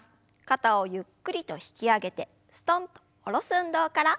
肩をゆっくりと引き上げてすとんと下ろす運動から。